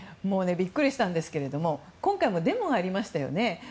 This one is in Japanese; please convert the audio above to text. ビックリしたんですが今回、デモがありましたよね。